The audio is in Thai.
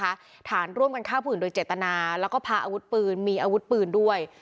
ฐานร่วมกันฆ่าผู้อื่นโดยเจตนาแล้วก็พาอาวุธปืนมีอาวุธปืนด้วย